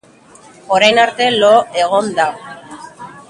Orain arte lo egon da.